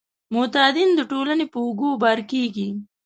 معتادین د ټولنې په اوږو بار کیږي.